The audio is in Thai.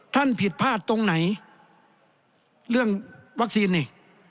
ผิดพลาดตรงไหนเรื่องวัคซีนนี่